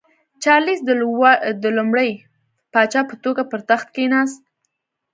چارلېس د لومړي پاچا په توګه پر تخت کېناست.